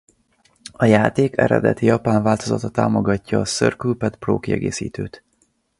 A játék eredeti japán változata támogatja a Circle Pad Pro kiegészítőt.